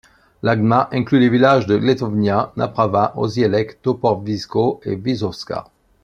La gmina inclut les villages de Łętownia, Naprawa, Osielec, Toporzysko et Wysoka.